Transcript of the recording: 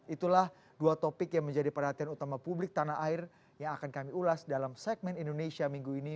itulah dua topik yang menjadi perhatian utama publik tanah air yang akan kami ulas dalam segmen indonesia minggu ini